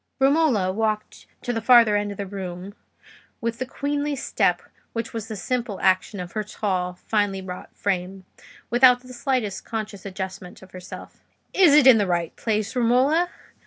Romola walked to the farther end of the room, with the queenly step which was the simple action of her tall, finely wrought frame, without the slightest conscious adjustment of herself. "Is it in the right place, Romola?"